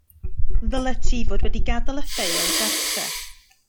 Ddylet ti fod wedi gadael y ffeil gartref